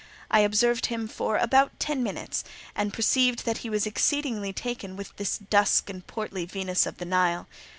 I observed him for about ten minutes, and perceived that he was exceedingly taken with this dusk and portly Venus of the Nile.